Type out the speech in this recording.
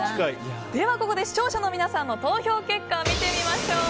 ここで視聴者の皆さんの投票結果を見てみましょう。